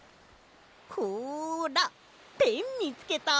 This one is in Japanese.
ほらペンみつけた！